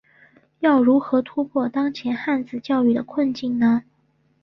要如何突破当前汉字教育的困境呢？